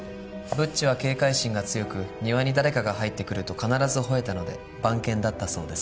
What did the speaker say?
ブッチは警戒心が強く庭に誰かが入ってくると必ず吠えたので番犬だったそうです。